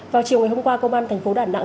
vào chiều ngày hôm qua công an thành phố đà nẵng